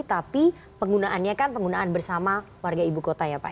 tapi penggunaannya kan penggunaan bersama warga ibu kota ya pak